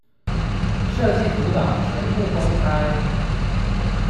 設計圖檔全部公開